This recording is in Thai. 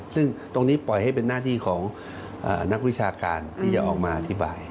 ซึ่งตรงนี้ปล่อยให้เป็นหน้าที่ของนักวิชาการที่จะออกมาอธิบาย